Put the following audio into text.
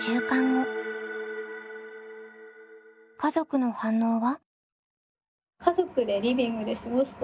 家族の反応は？